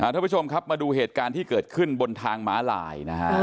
ทุกผู้ชมครับมาดูเหตุการณ์ที่เกิดขึ้นบนทางม้าลายนะฮะ